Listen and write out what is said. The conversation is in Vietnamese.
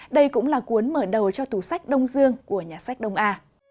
đây cũng là cuốn mở đầu cho tủ sách đông dương của nhà sách đông a